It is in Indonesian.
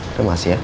terima kasih ya